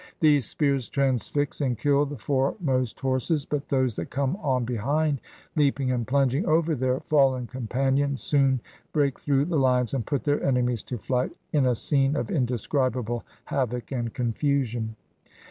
These spears transfix and kill the foremost horses; but those that come on behind, leaping and plunging over their fallen companions, soon break through the fines and put their enemies to flight, in a scene of indescribable havoc and confusion.